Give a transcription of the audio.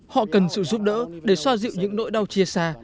họ cần sự giúp đỡ để xoa dịu những nỗi đau chia xa